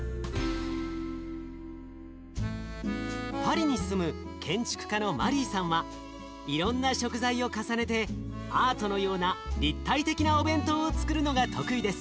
パリに住む建築家のマリーさんはいろんな食材を重ねてアートのような立体的なお弁当をつくるのが得意です。